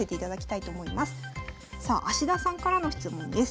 さあ田さんからの質問です。